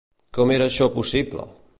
Com era això possible?